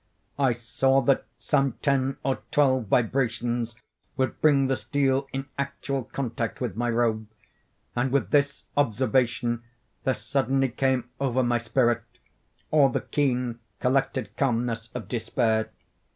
I saw that some ten or twelve vibrations would bring the steel in actual contact with my robe, and with this observation there suddenly came over my spirit all the keen, collected calmness of despair.